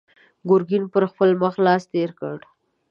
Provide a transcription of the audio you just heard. ګرګين پر خپل مخ لاس تېر کړ.